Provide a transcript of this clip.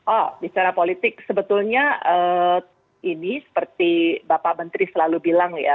oh bicara politik sebetulnya ini seperti bapak menteri selalu bilang ya